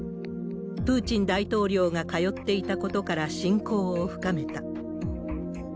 プーチン大統領が通っていたことから親交を深めた。